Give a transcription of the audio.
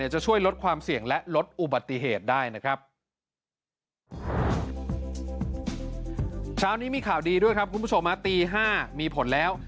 เช้านี้มีข่าวดีด้วยครับคุณผู้ชมตี๕มีผลแล้ว